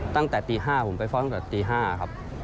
ตั้งแต่ตี๕ผมไปฟ้องตั้งแต่ตี๕ครับ